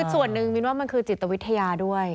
ส่วนหนึ่งมินว่ามันคือจิตวิทยาด้วย